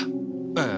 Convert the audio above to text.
ええ。